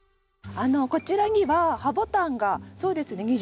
こちらにはハボタンがそうですね